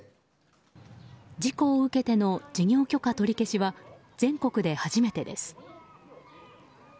事故を受けての事業許可取り消しは全国で初めてです。